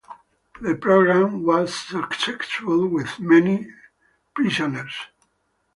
The program was successful with many prisoners.